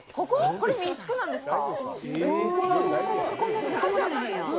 これ、民宿なんですか？